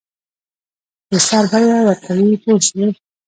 د سر بیه ورکوي پوه شوې!.